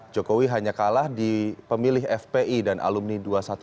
jokowi hanya kalah di pemilih fpi dan alumni dua ratus dua belas